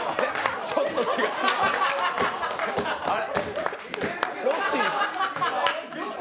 あれ。